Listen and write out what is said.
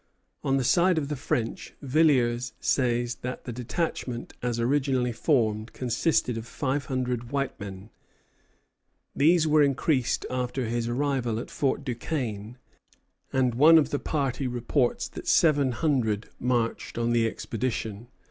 On the side of the French, Villiers says that the detachment as originally formed consisted of five hundred white men. These were increased after his arrival at Fort Duquesne, and one of the party reports that seven hundred marched on the expedition.